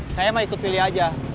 saya mah ikut pilih aja